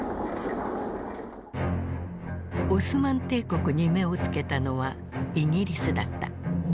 オスマン帝国に目を付けたのはイギリスだった。